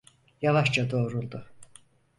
Yavaşça doğruldu.